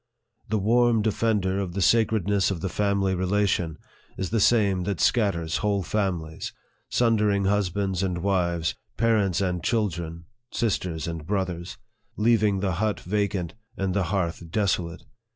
The warm defender of the sacredness of the family relation is the same that scatters whole families, sundering husbands and wives, parents and children, sisters and brothers, leaving the hut vacant, and the hearth desolate.